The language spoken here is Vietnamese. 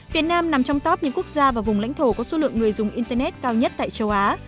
việt nam nằm trong top những quốc gia và vùng lãnh thổ có số lượng người dùng internet cao nhất tại châu á